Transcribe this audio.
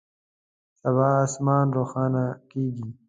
سبا اسمان روښانه کیږي